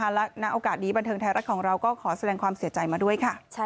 และณโอกาสนี้บันเทิงไทยรัฐของเราก็ขอแสดงความเสียใจมาด้วยค่ะ